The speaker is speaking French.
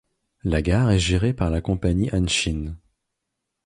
La gare est gérée par la compagnie Hanshin.